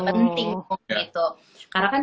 penting karena kan